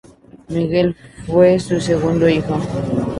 Miguel fue su segundo hijo.